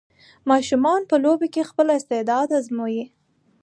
ماشومان په لوبو کې خپل استعداد ازمويي.